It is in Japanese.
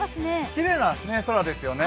きれいな空ですよね